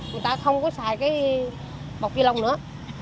người ta không có xài bọc ni lông nữa